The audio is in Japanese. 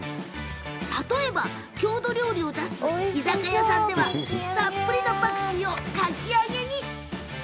例えば郷土料理を出す居酒屋さんではたっぷりのパクチーをかき揚げに。